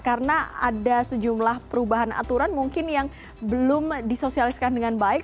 karena ada sejumlah perubahan aturan mungkin yang belum disosialiskan dengan baik